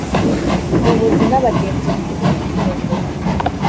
nyobozi n abagenzuzi b umutungo